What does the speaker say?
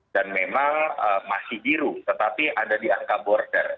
memang masih biru tetapi ada di angka border